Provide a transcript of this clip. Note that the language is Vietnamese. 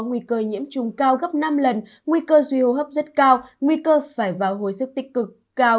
nguy cơ nhiễm trùng cao gấp năm lần nguy cơ duy hô hấp rất cao nguy cơ phải vào hồi sức tích cực cao